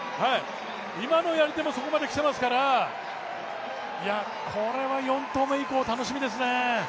今のやりでもそこまで来ていますから、これは４投目以降楽しみですね。